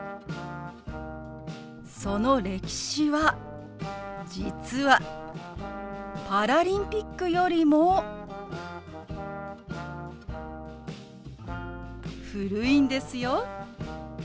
その歴史は実はパラリンピックよりも古いんですよ。